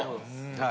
はい。